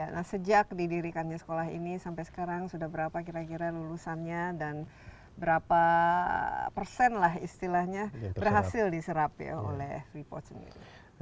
nah sejak didirikannya sekolah ini sampai sekarang sudah berapa kira kira lulusannya dan berapa persen lah istilahnya berhasil diserap ya oleh freeport sendiri